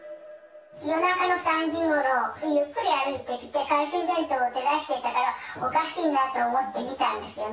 夜中の３時ごろ、ゆっくり歩いてきて、懐中電灯を照らしていたから、おかしいなと思って見たんですよね。